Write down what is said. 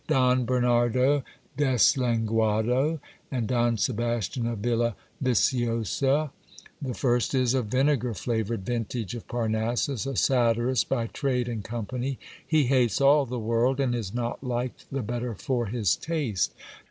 Don Bernardo Deslenguado and Don Sebastian of Villa Viciosa ! The first is a vinegar flavoured vintage of Parnassus, a satirist by trade and company ; he hates all the world, and is not liked the better for his taste.